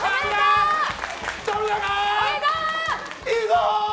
いいぞ！